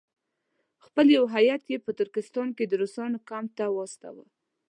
خپل یو هیات یې په ترکستان کې د روسانو کمپ ته واستاوه.